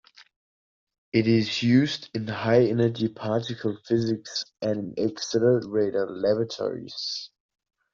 It is used in high energy particle physics and in accelerator laboratories.